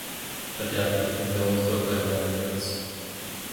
Adapted from the "Villains" booklet and liner notes.